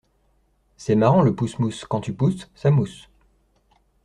C'est marrant le pouss mouss. Quand tu pousses, ça mousse.